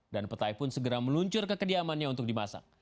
dan petai pun segera meluncur ke kediamannya untuk dimasak